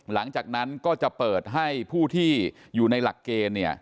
หลังจากนั้นก็จะเปิดให้ผู้ที่อยู่ในหลักเกณฑ์เนี่ย